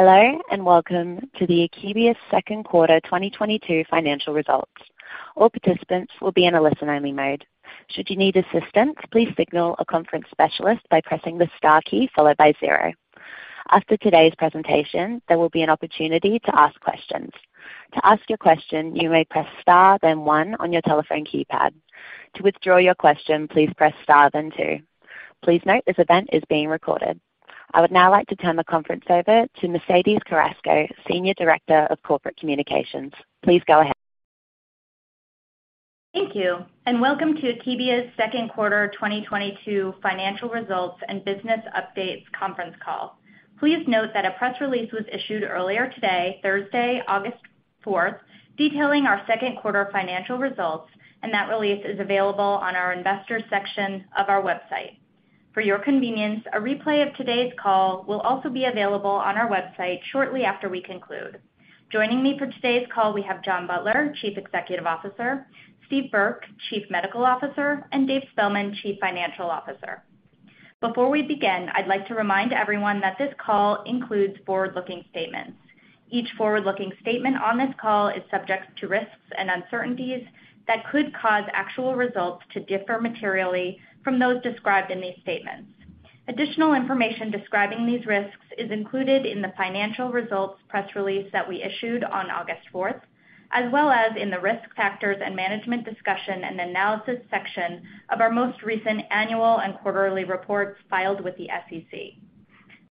Hello, and welcome to Akebia Therapeutics' Q2 2022 financial results. All participants will be in a listen-only mode. Should you need assistance, please signal a conference specialist by pressing the star key followed by zero. After today's presentation, there will be an opportunity to ask questions. To ask your question, you may press star then one on your telephone keypad. To withdraw your question, please press star then two. Please note this event is being recorded. I would now like to turn the conference over to Mercedes Carrasco, Senior Director, IR & Corporate Communications. Please go ahead. Thank you, and welcome to Akebia's Q2 2022 financial results and business updates conference call. Please note that a press release was issued earlier today, Thursday, August 4, detailing our Q2 financial results, and that release is available on our investor section of our website. For your convenience, a replay of today's call will also be available on our website shortly after we conclude. Joining me for today's call, we have John P. Butler, Chief Executive Officer, Steven K. Burke, Chief Medical Officer, and David A. Spellman, Chief Financial Officer. Before we begin, I'd like to remind everyone that this call includes forward-looking statements. Each forward-looking statement on this call is subject to risks and uncertainties that could cause actual results to differ materially from those described in these statements. Additional information describing these risks is included in the financial results press release that we issued on August fourth, as well as in the Risk Factors and Management Discussion and Analysis section of our most recent annual and quarterly reports filed with the SEC.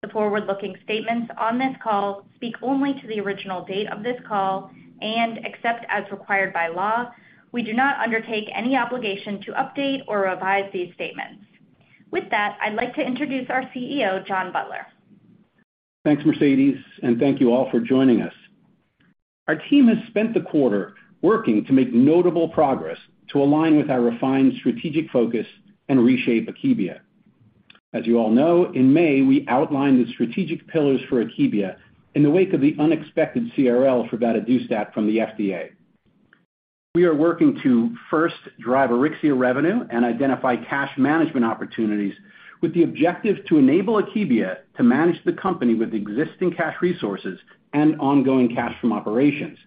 The forward-looking statements on this call speak only to the original date of this call, and except as required by law, we do not undertake any obligation to update or revise these statements. With that, I'd like to introduce our CEO, John P. Butler. Thanks, Mercedes, and thank you all for joining us. Our team has spent the quarter working to make notable progress to align with our refined strategic focus and reshape Akebia. As you all know, in May, we outlined the strategic pillars for Akebia in the wake of the unexpected CRL for vadadustat from the FDA. We are working to, first, drive Auryxia revenue and identify cash management opportunities with the objective to enable Akebia to manage the company with existing cash resources and ongoing cash from operations.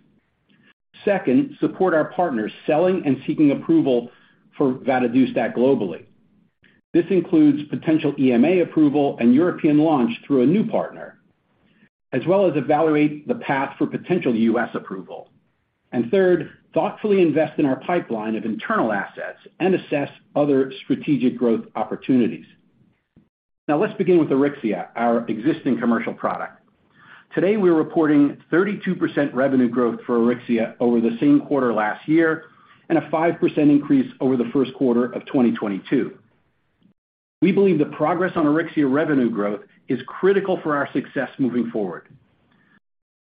Second, support our partners selling and seeking approval for vadadustat globally. This includes potential EMA approval and European launch through a new partner, as well as evaluate the path for potential U.S. approval. Third, thoughtfully invest in our pipeline of internal assets and assess other strategic growth opportunities. Now let's begin with Auryxia, our existing commercial product. Today, we're reporting 32% revenue growth for Auryxia over the same quarter last year and a 5% increase over the Q1 of 2022. We believe the progress on Auryxia revenue growth is critical for our success moving forward.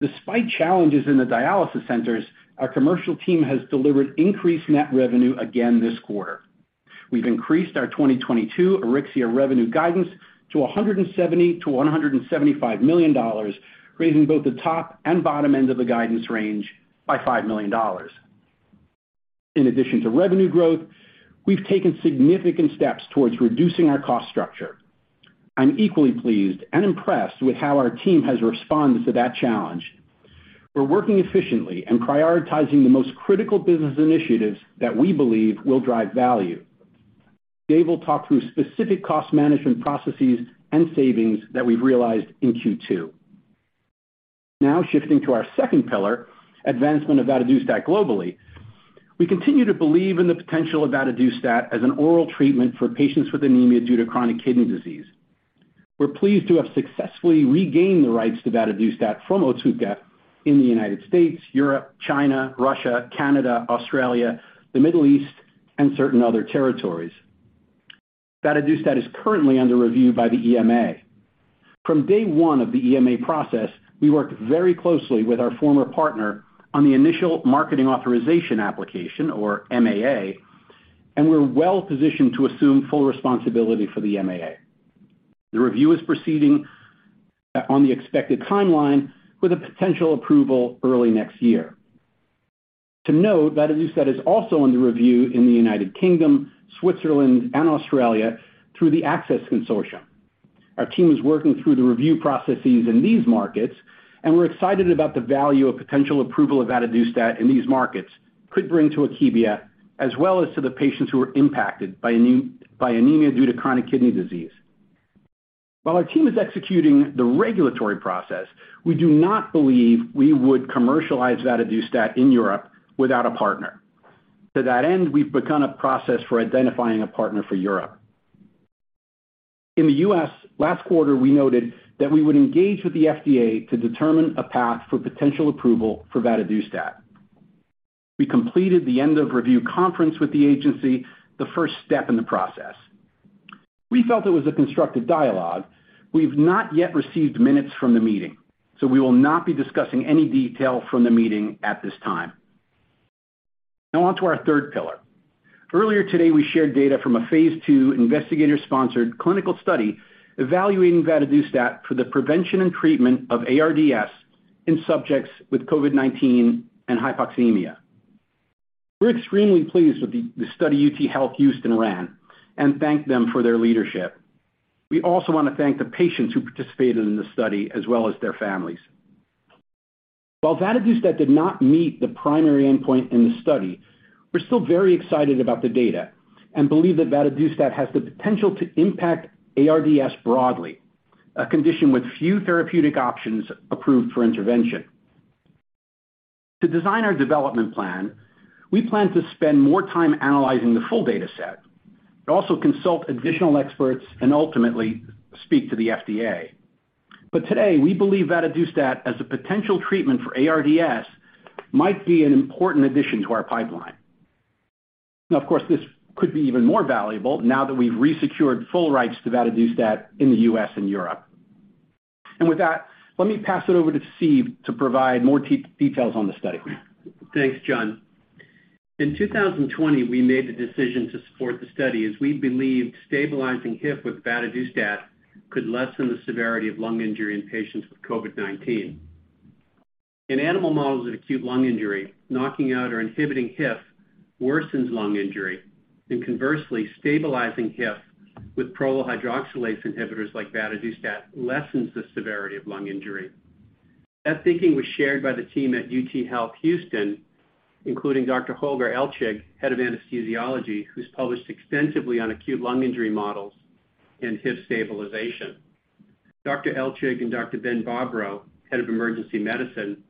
Despite challenges in the dialysis centers, our commercial team has delivered increased net revenue again this quarter. We've increased our 2022 Auryxia revenue guidance to $170 to 175 million, raising both the top and bottom ends of the guidance range by $5 million. In addition to revenue growth, we've taken significant steps towards reducing our cost structure. I'm equally pleased and impressed with how our team has responded to that challenge. We're working efficiently and prioritizing the most critical business initiatives that we believe will drive value. Dave will talk through specific cost management processes and savings that we've realized in Q2. Now shifting to our second pillar, advancement of vadadustat globally. We continue to believe in the potential of vadadustat as an oral treatment for patients with anemia due to chronic kidney disease. We're pleased to have successfully regained the rights to vadadustat from Otsuka in the United States, Europe, China, Russia, Canada, Australia, the Middle East, and certain other territories. Vadadustat is currently under review by the EMA. From day one of the EMA process, we worked very closely with our former partner on the initial Marketing Authorisation Application, or MAA, and we're well-positioned to assume full responsibility for the MAA. The review is proceeding on the expected timeline with a potential approval early next year. To note, vadadustat is also under review in the United Kingdom, Switzerland, and Australia through the ACCESS consortium. Our team is working through the review processes in these markets, and we're excited about the value a potential approval of vadadustat in these markets could bring to Akebia, as well as to the patients who are impacted by anemia due to chronic kidney disease. While our team is executing the regulatory process, we do not believe we would commercialize vadadustat in Europe without a partner. To that end, we've begun a process for identifying a partner for Europe. In the U.S., last quarter, we noted that we would engage with the FDA to determine a path for potential approval for vadadustat. We completed the end of review conference with the agency, the first step in the process. We felt it was a constructive dialogue. We've not yet received minutes from the meeting, so we will not be discussing any detail from the meeting at this time. Now on to our third pillar. Earlier today, we shared data from a phase 2 investigator-sponsored clinical study evaluating vadadustat for the prevention and treatment of ARDS in subjects with COVID-19 and hypoxemia. We're extremely pleased with the study UTHealth Houston ran and thank them for their leadership. We also wanna thank the patients who participated in the study as well as their families. While vadadustat did not meet the primary endpoint in the study, we're still very excited about the data and believe that vadadustat has the potential to impact ARDS broadly, a condition with few therapeutic options approved for intervention. To design our development plan, we plan to spend more time analyzing the full data set but also consult additional experts and ultimately speak to the FDA. Today, we believe vadadustat as a potential treatment for ARDS might be an important addition to our pipeline. Now, of course, this could be even more valuable now that we've resecured full rights to vadadustat in the U.S. and Europe. With that, let me pass it over to Steve to provide more details on the study. Thanks, John. In 2020, we made the decision to support the study as we believed stabilizing HIF with vadadustat could lessen the severity of lung injury in patients with COVID-19. In animal models of acute lung injury, knocking out or inhibiting HIF worsens lung injury, and conversely, stabilizing HIF with prolyl hydroxylase inhibitors like vadadustat lessens the severity of lung injury. That thinking was shared by the team at UTHealth Houston, including Dr. Holger Eltzschig, Head of Anesthesiology, who's published extensively on acute lung injury models and HIF stabilization. Dr. Eltzschig and Dr. Bentley J. Bobrow, Head of Emergency Medicine,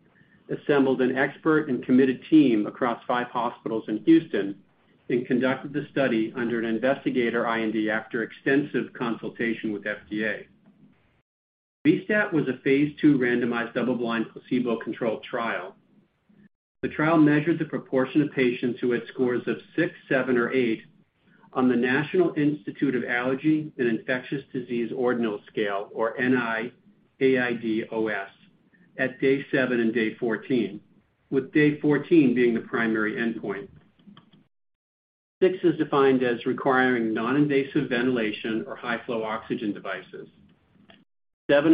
assembled an expert and committed team across five hospitals in Houston and conducted the study under an investigator IND after extensive consultation with FDA. V-STAT was a phase 2 randomized double-blind placebo-controlled trial. The trial measured the proportion of patients who had scores of 6, 7, or 8 on the National Institute of Allergy and Infectious Diseases ordinal scale, or NIAID-OS, at day 7 and day 14, with day 14 being the primary endpoint. 6 is defined as requiring non-invasive ventilation or high flow oxygen devices. 7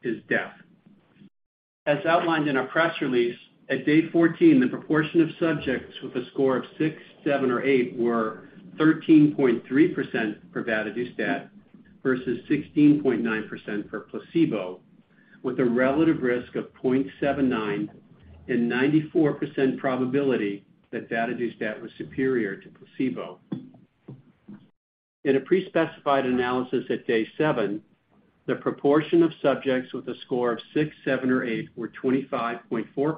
is a requirement for invasive mechanical ventilation or ECMO, and 8 is death. As outlined in our press release, at day 14, the proportion of subjects with a score of 6, 7, or 8 were 13.3% for vadadustat versus 16.9% for placebo, with a relative risk of 0.79 and 94% probability that vadadustat was superior to placebo. In a pre-specified analysis at day 7, the proportion of subjects with a score of 6, 7, or 8 were 25.4% for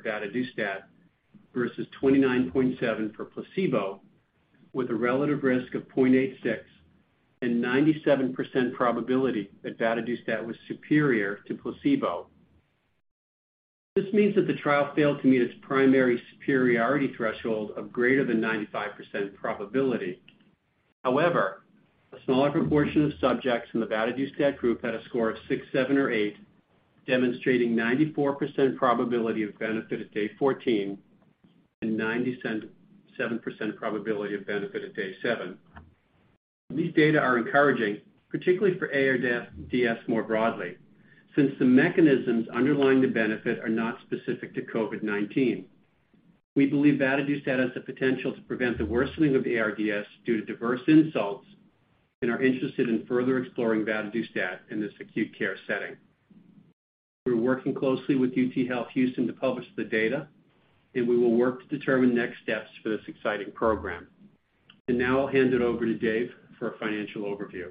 vadadustat versus 29.7% for placebo, with a relative risk of 0.86 and 97% probability that vadadustat was superior to placebo. This means that the trial failed to meet its primary superiority threshold of greater than 95% probability. However, a smaller proportion of subjects in the vadadustat group had a score of 6, 7, or 8, demonstrating 94% probability of benefit at day 14 and 97.7% probability of benefit at day 7. These data are encouraging, particularly for ARDS-DS more broadly, since the mechanisms underlying the benefit are not specific to COVID-19. We believe vadadustat has the potential to prevent the worsening of ARDS due to diverse insults and are interested in further exploring vadadustat in this acute care setting. We're working closely with UTHealth Houston to publish the data, and we will work to determine next steps for this exciting program. Now I'll hand it over to Dave for a financial overview.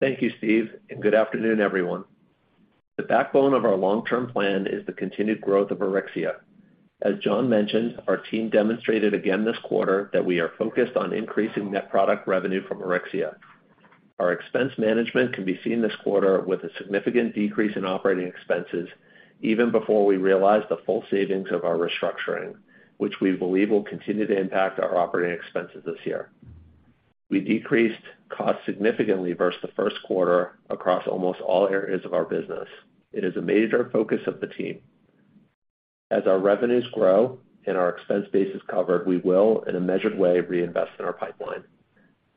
Thank you, Steve, and good afternoon, everyone. The backbone of our long-term plan is the continued growth of Auryxia. As John mentioned, our team demonstrated again this quarter that we are focused on increasing net product revenue from Auryxia. Our expense management can be seen this quarter with a significant decrease in operating expenses even before we realize the full savings of our restructuring, which we believe will continue to impact our operating expenses this year. We decreased costs significantly versus the Q1 across almost all areas of our business. It is a major focus of the team. As our revenues grow and our expense base is covered, we will, in a measured way, reinvest in our pipeline.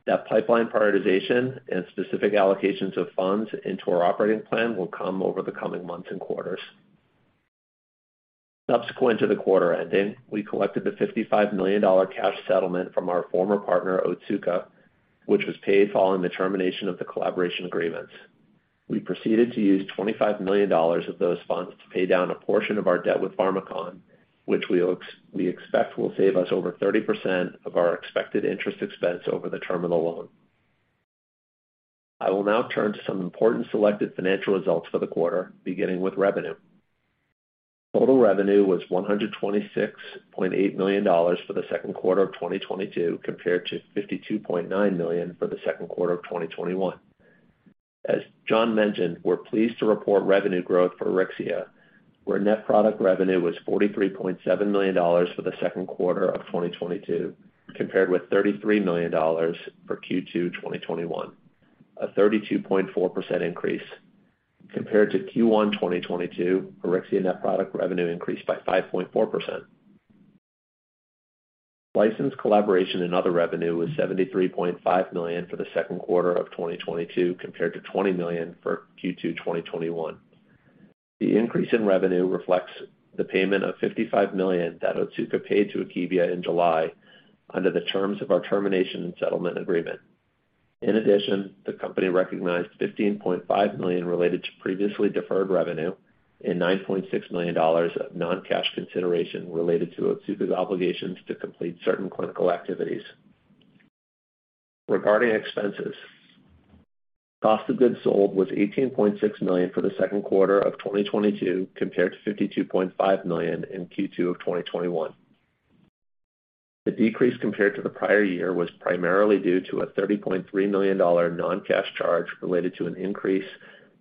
That pipeline prioritization and specific allocations of funds into our operating plan will come over the coming months and quarters. Subsequent to the quarter ending, we collected the $55 million cash settlement from our former partner, Otsuka, which was paid following the termination of the collaboration agreements. We proceeded to use $25 million of those funds to pay down a portion of our debt with Pharmakon, which we expect will save us over 30% of our expected interest expense over the term of the loan. I will now turn to some important selected financial results for the quarter, beginning with revenue. Total revenue was $126.8 million for the Q2 of 2022 compared to $52.9 million for the Q2 of 2021. As John mentioned, we're pleased to report revenue growth for Auryxia, where net product revenue was $43.7 million for the Q2 of 2022 compared with $33 million for Q2 2021, a 32.4% increase. Compared to Q1 2022, Auryxia net product revenue increased by 5.4%. License collaboration and other revenue was $73.5 million for the Q2 of 2022 compared to $20 million for Q2 2021. The increase in revenue reflects the payment of $55 million that Otsuka paid to Akebia in July under the terms of our termination and settlement agreement. In addition, the company recognized $15.5 million related to previously deferred revenue and $9.6 million of non-cash consideration related to Otsuka's obligations to complete certain clinical activities. Regarding expenses. Cost of goods sold was $18.6 million for the Q2 of 2022 compared to $52.5 million in Q2 of 2021. The decrease compared to the prior year was primarily due to a $30.3 million non-cash charge related to an increase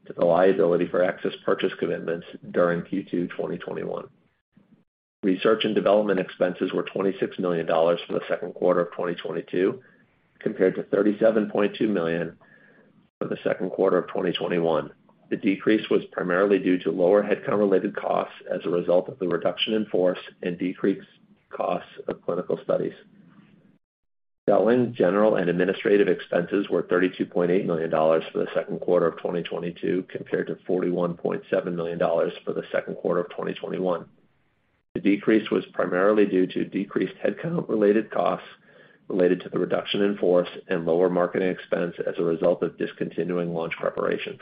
to the liability for ACCESS purchase commitments during Q2 2021. Research and development expenses were $26 million for the Q2 of 2022 compared to $37.2 million for the Q2 of 2021. The decrease was primarily due to lower headcount-related costs as a result of the reduction in force and decreased costs of clinical studies. Selling, general, and administrative expenses were $32.8 million for the Q2 of 2022 compared to $41.7 million for the Q2 of 2021. The decrease was primarily due to decreased headcount-related costs related to the reduction in force and lower marketing expense as a result of discontinuing launch preparations.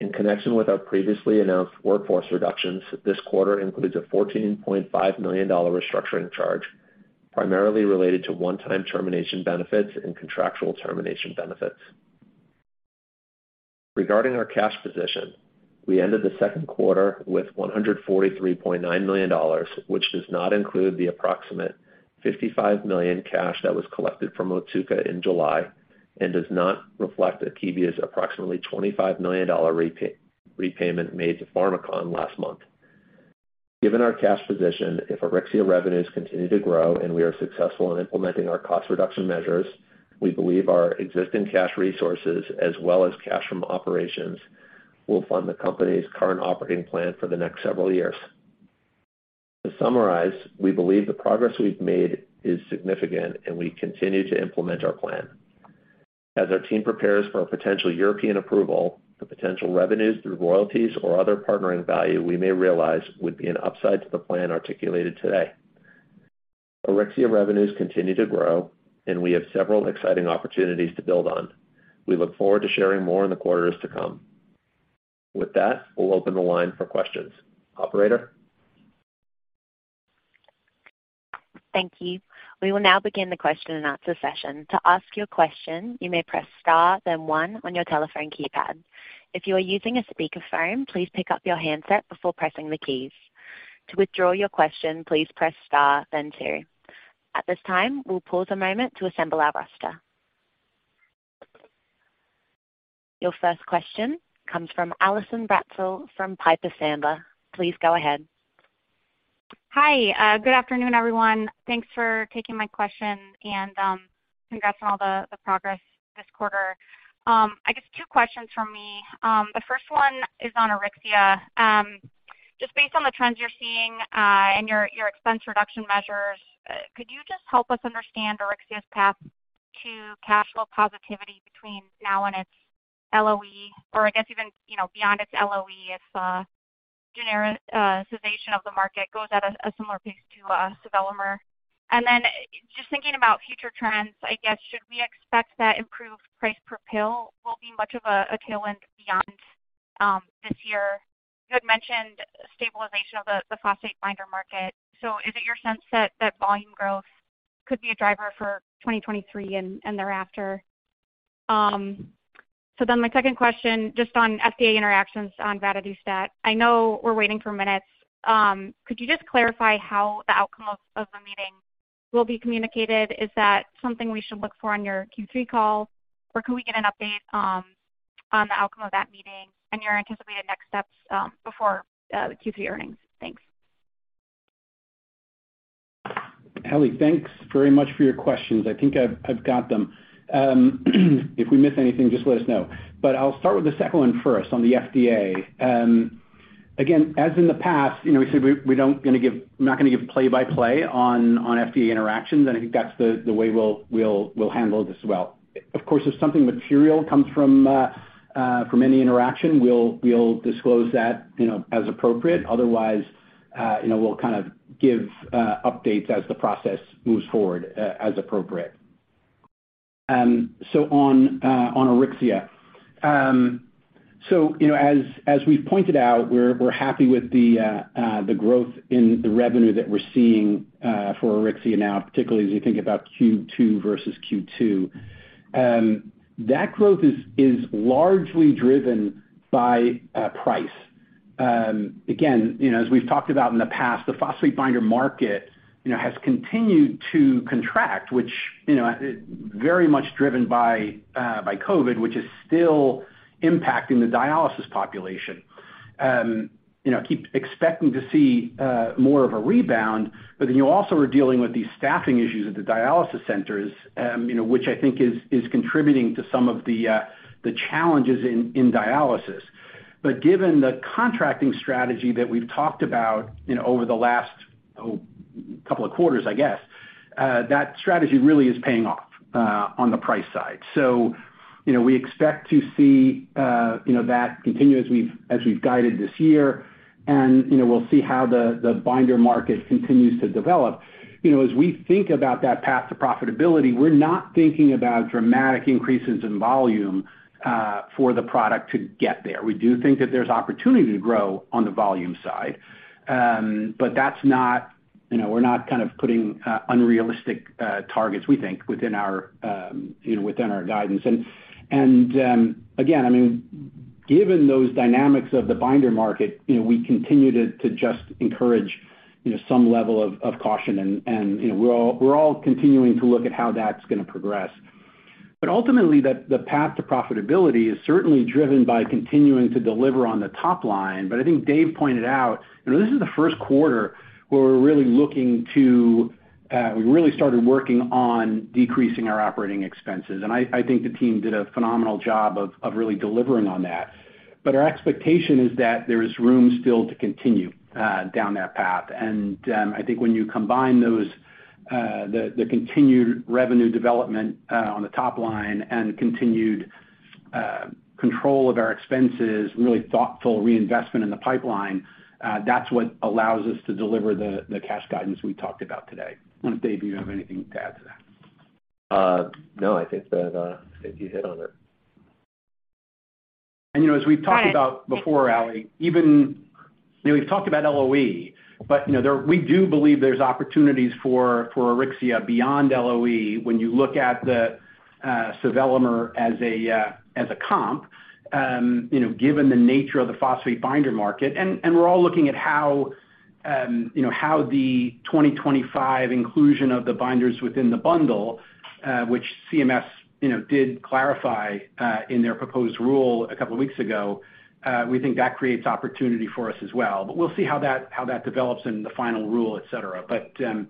In connection with our previously announced workforce reductions, this quarter includes a $14.5 million restructuring charge, primarily related to one-time termination benefits and contractual termination benefits. Regarding our cash position, we ended the Q2 with $143.9 million, which does not include the approximate $55 million cash that was collected from Otsuka in July and does not reflect Akebia's approximately $25 million repayment made to Pharmakon last month. Given our cash position, if Auryxia revenues continue to grow and we are successful in implementing our cost reduction measures, we believe our existing cash resources as well as cash from operations will fund the company's current operating plan for the next several years. To summarize, we believe the progress we've made is significant, and we continue to implement our plan. As our team prepares for a potential European approval, the potential revenues through royalties or other partnering value we may realize would be an upside to the plan articulated today. Auryxia revenues continue to grow, and we have several exciting opportunities to build on. We look forward to sharing more in the quarters to come. With that, we'll open the line for questions. Operator? Thank you. We will now begin the question-and-answer session. To ask your question, you may press star then one on your telephone keypad. If you are using a speakerphone, please pick up your handset before pressing the keys. To withdraw your question, please press star then two. At this time, we'll pause a moment to assemble our roster. Your first question comes from Allison Bratzel from Piper Sandler. Please go ahead. Hi, good afternoon, everyone. Thanks for taking my question and, congrats on all the progress this quarter. I guess two questions from me. The first one is on Auryxia. Just based on the trends you're seeing, and your expense reduction measures, could you just help us understand Auryxia's path to cash flow positivity between now and its LOE or I guess even, you know, beyond its LOE if, genericization of the market goes at a similar pace to, sevelamer? Just thinking about future trends, I guess, should we expect that improved price per pill will be much of a tailwind beyond, this year? You had mentioned stabilization of the phosphate binder market. Is it your sense that that volume growth could be a driver for 2023 and thereafter? My second question just on FDA interactions on vadadustat. I know we're waiting for minutes. Could you just clarify how the outcome of the meeting will be communicated? Is that something we should look for on your Q3 call, or can we get an update on the outcome of that meeting and your anticipated next steps before Q3 earnings? Thanks. Allison, thanks very much for your questions. I think I've got them. If we miss anything, just let us know. I'll start with the second one first on the FDA. Again, as in the past, you know, we said we don't gonna give. I'm not gonna give play-by-play on FDA interactions, and I think that's the way we'll handle this well. Of course, if something material comes from any interaction, we'll disclose that, you know, as appropriate. Otherwise, you know, we'll kind of give updates as the process moves forward as appropriate. So on Auryxia. So, you know, as we've pointed out, we're happy with the growth in the revenue that we're seeing for Auryxia now, particularly as we think about Q2 versus Q2. That growth is largely driven by price. Again, you know, as we've talked about in the past, the phosphate binder market, you know, has continued to contract, which, you know, very much driven by COVID, which is still impacting the dialysis population. You know, keep expecting to see more of a rebound, but then you also are dealing with these staffing issues at the dialysis centers, you know, which I think is contributing to some of the challenges in dialysis. Given the contracting strategy that we've talked about, you know, over the last, oh couple of quarters, I guess, that strategy really is paying off on the price side. You know, we expect to see that continue as we've guided this year and, you know, we'll see how the binder market continues to develop. You know, as we think about that path to profitability, we're not thinking about dramatic increases in volume for the product to get there. We do think that there's opportunity to grow on the volume side. But that's not, you know, we're not kind of putting unrealistic targets, we think, within our guidance. Again, I mean, given those dynamics of the binder market, you know, we continue to just encourage, you know, some level of caution and, you know, we're all continuing to look at how that's gonna progress. Ultimately the path to profitability is certainly driven by continuing to deliver on the top line. I think Dave pointed out, you know, this is the Q1 where we really started working on decreasing our operating expenses. I think the team did a phenomenal job of really delivering on that. Our expectation is that there is room still to continue down that path. I think when you combine those, the continued revenue development on the top line and continued control of our expenses, really thoughtful reinvestment in the pipeline, that's what allows us to deliver the cash guidance we talked about today. I don't know, Dave, if you have anything to add to that. No, I think that you hit on it. You know, as we've talked about before, Allison, you know, we've talked about LOE, but, you know, we do believe there's opportunities for Auryxia beyond LOE when you look at the sevelamer as a comp, you know, given the nature of the phosphate binder market. We're all looking at how, you know, how the 2025 inclusion of the binders within the bundle, which CMS, you know, did clarify in their proposed rule a couple of weeks ago, we think that creates opportunity for us as well. We'll see how that develops in the final rule, et cetera. You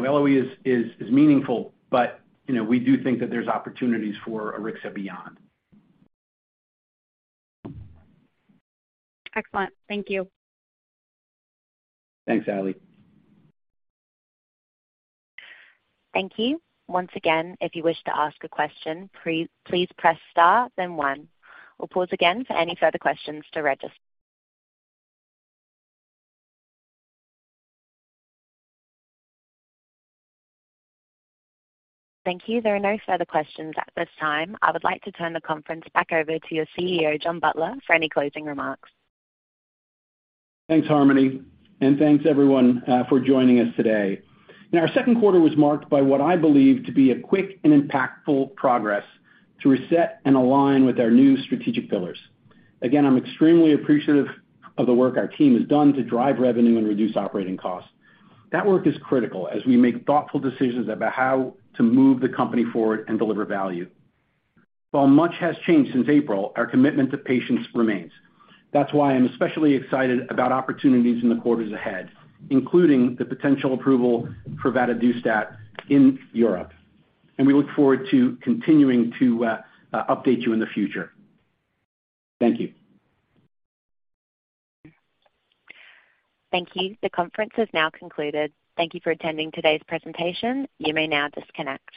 know, LOE is meaningful, but, you know, we do think that there's opportunities for Auryxia beyond. Excellent. Thank you. Thanks, Ally. Thank you. Once again, if you wish to ask a question, please press Star, then one. We'll pause again for any further questions to register. Thank you. There are no further questions at this time. I would like to turn the conference back over to your CEO, John P. Butler, for any closing remarks. Thanks, Harmony, and thanks, everyone, for joining us today. Now, our Q2 was marked by what I believe to be a quick and impactful progress to reset and align with our new strategic pillars. Again, I'm extremely appreciative of the work our team has done to drive revenue and reduce operating costs. That work is critical as we make thoughtful decisions about how to move the company forward and deliver value. While much has changed since April, our commitment to patients remains. That's why I'm especially excited about opportunities in the quarters ahead, including the potential approval for vadadustat in Europe, and we look forward to continuing to update you in the future. Thank you. Thank you. The conference has now concluded. Thank you for attending today's presentation. You may now disconnect.